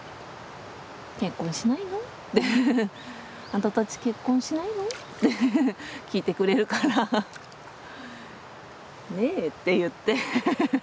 「あんたたち結婚しないの？」って聞いてくれるから「ねえ」って言って。